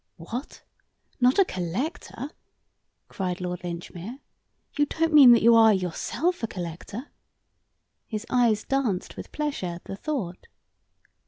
"What! not a collector?" cried Lord Linchmere. "You don't mean that you are yourself a collector?" His eyes danced with pleasure at the thought.